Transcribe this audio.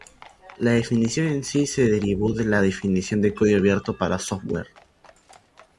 La definición en sí se derivó de la definición de código abierto para software.